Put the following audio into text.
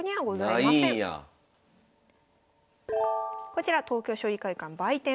こちら東京将棋会館売店。